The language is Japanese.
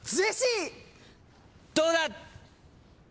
どうだ？